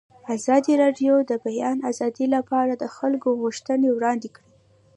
ازادي راډیو د د بیان آزادي لپاره د خلکو غوښتنې وړاندې کړي.